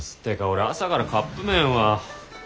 てか俺朝からカップ麺は。